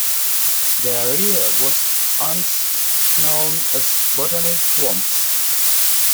The area was once known as Botany Swamps.